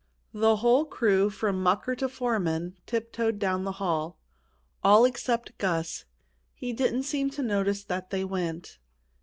The whole crew, from mucker to foreman, tiptoed down the hall all except Gus. He didn't seem to notice that they went.